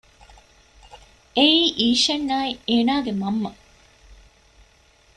އެއީ އީޝަންއާއި އޭނަގެ މަންމަ